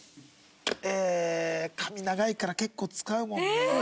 えー髪長いから結構使うもんね。